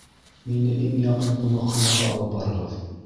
Мине иң яҡын ҡунаҡханаға алып барығыҙ